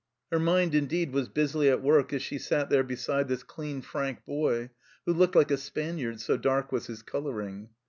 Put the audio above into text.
Her mind, indeed, was busily at work as she sat there beside this clean frank boy, who looked like a Spaniard, so dark was his colouring.